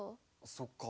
そっか。